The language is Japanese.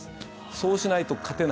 そうしないと勝てない。